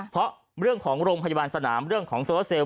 เพราะเรื่องของโรงพยาบาลสนามเรื่องของโซลาเซลล